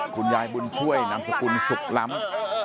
คุณยายบุญช่วยนามสกุลสุขล้ำ